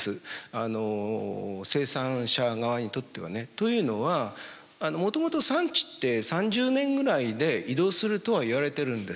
生産者側にとってはね。というのはもともと産地って３０年ぐらいで移動するとはいわれているんです。